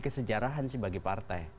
kesejarahan sih bagi partai